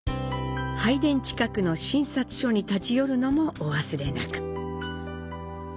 拝殿近くの「神札所」に立ち寄るのもお忘れなく。